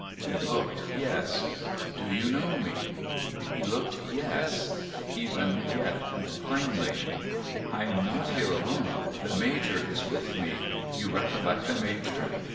He looked yes. ' Do you know me ?' He looked yes, even yet more plainly. ' I am not here alone. The Major is with me. You recollect the Major